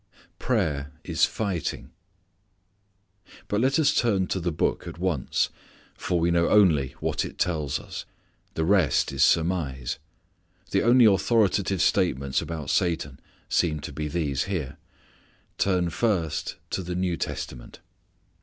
Praying is Fighting. But let us turn to the Book at once. For we know only what it tells. The rest is surmise. The only authoritative statements about Satan seem to be these here. Turn first to the New Testament.